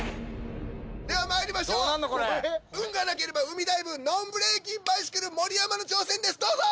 ではまいりましょう運がなければ海ダイブＮＯＮブレーキバイシクル盛山の挑戦ですどうぞ！